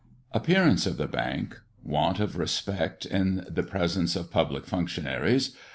APPEARANCE OF THE BANK. WANT OF RESPECT IN THE PRESENCE OF PUBLIC FUNCTIONARIES.